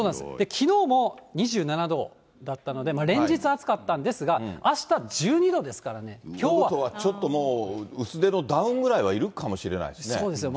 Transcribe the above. きのうも２７度だったので、連日暑かったんでということは、ちょっともう、薄手のダウンぐらいはいるかもしれないですね。